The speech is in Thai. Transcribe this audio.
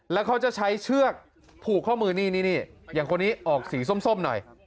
แล้วเขาจะใช้เชือกผูกข้อมือนี่นี่อย่างคนนี้ออกสีส้มหน่อย